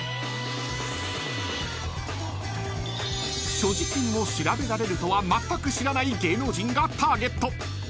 ［所持金を調べられるとはまったく知らない芸能人がターゲット］